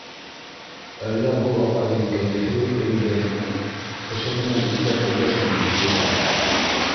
Әллә был апайҙың кәйефе юҡ инде? Кеше менән ипләп һөйләшмәй, буғай.